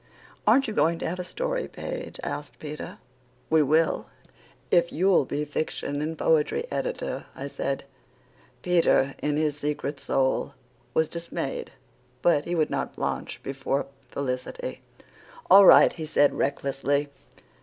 "Aren't you going to have a story page?" asked Peter. "We will, if you'll be fiction and poetry editor," I said. Peter, in his secret soul, was dismayed, but he would not blanch before Felicity. "All right," he said, recklessly.